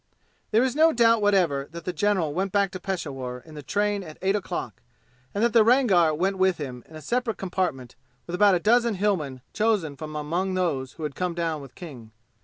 There is no doubt whatever that the general went back to Peshawur in the train at eight o'clock and that the Rangar went with him in a separate compartment with about a dozen Hillmen chosen from among those who had come down with King.